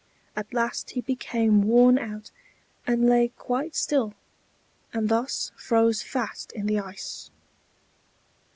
At last he became worn out, and lay quite still, and thus froze fast in the ice.